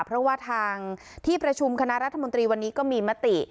เพราะว่าทางที่ประชุมคณะรัฐมนตรีวันนี้ก็มีมติ